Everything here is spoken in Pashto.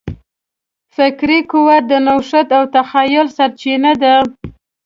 فکري قوت د نوښت او تخیل سرچینه ده.